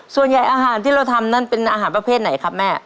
ส่วนใหญ่อาหารที่เราทำนั้นเป็นอาหารประเภทไหนครับแม่